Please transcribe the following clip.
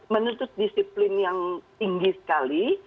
menuntut disiplin yang tinggi sekali